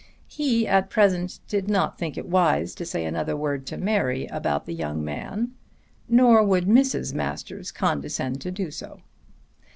He at present did not think it wise to say another word to Mary about the young man; nor would Mrs. Masters condescend to do so.